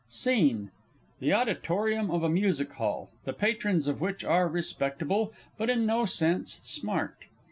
SCENE. _The auditorium of a Music Hall, the patrons of which are respectable, but in no sense "smart."